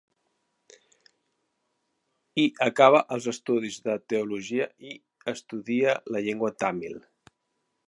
Hi acaba els estudis de teologia i estudia la llengua tàmil.